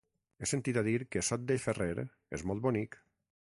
He sentit a dir que Sot de Ferrer és molt bonic.